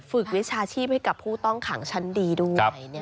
ฝึกวิชาชีพให้กับผู้ต้องขังชันดีด้วยนะคะ